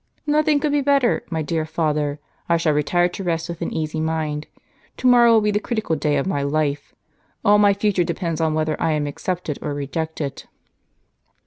" Nothing could be better, my dear father; I shall retire to rest with an easy mind. To morrow will be the critical day of my life. All my future depends upon whether I am accepted or rejected."